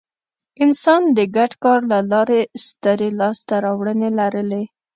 انسان د ګډ کار له لارې سترې لاستهراوړنې لرلې.